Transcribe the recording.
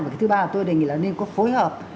và thứ ba là tôi đề nghị là nên có phối hợp